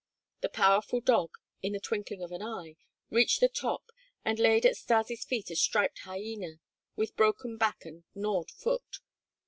The powerful dog, in the twinkling of an eye, reached the top, and laid at Stas' feet a striped hyena with broken back and gnawed foot.